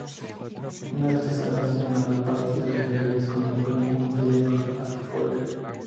Una de estas salas, llamada Patio de Reyes, convocó un concurso llamado "Patio Folk".